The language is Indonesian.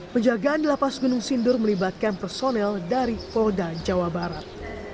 penjagaan di lapas gunung sindur melibatkan personel dari polda jawa barat